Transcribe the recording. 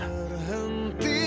tunggu apa lagi kak